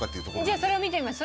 じゃあそれを見てみます。